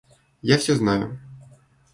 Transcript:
Я всё знаю.